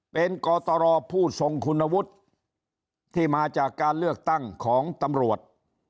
เป็นกตรผู้ทรงคุณวุฒิที่มาจากการเลือกตั้งของตำรวจ